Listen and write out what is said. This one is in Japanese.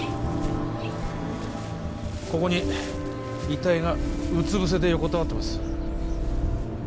ここに遺体がうつぶせで横たわってます